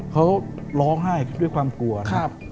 เขาร้องไห้ด้วยความกลัวนะครับ